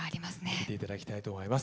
聴いて頂きたいと思います。